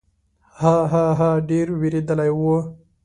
ها، ها، ها، ډېر وېرېدلی و.